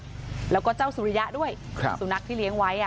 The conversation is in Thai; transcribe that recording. แล้วก็เจ้าสุริยะด้วยครับสุนัขที่เลี้ยงไว้อ่ะ